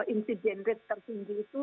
insiden rate tertinggi itu